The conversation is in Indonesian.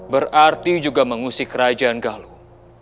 berarti juga mengusik kerajaan galuh